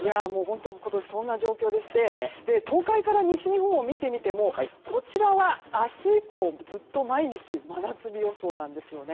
本当に今年はそんな状況で東海から西日本を見てみてもこちらは明日以降、ずっと毎日真夏日予想なんです。